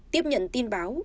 tiếp nhận tin báo